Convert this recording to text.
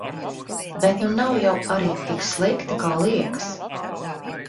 Bet nu nav jau arī tik slikti kā liekas.